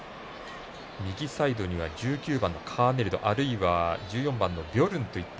右サイドには１９番、カーネリドあるいは、１４番のビヨルンです。